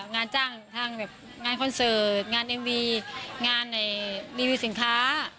งานจ้างทางแบบงานคอนเสิร์ตงานเอ็มวีงานรีวิวสินค้า